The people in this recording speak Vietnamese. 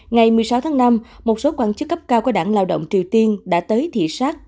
ngày một mươi sáu tháng năm một số quan chức cấp cao của đảng lao động triều tiên đã tới thị xác